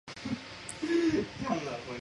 顾太清所生。